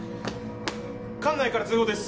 管内から通報です